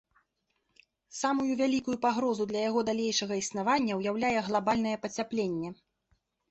Самую вялікую пагрозу для яго далейшага існавання ўяўляе глабальнае пацяпленне.